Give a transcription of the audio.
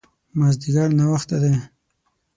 مازديګر ناوخته ده